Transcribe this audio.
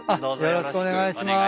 よろしくお願いします。